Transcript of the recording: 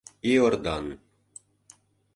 ИОРДАН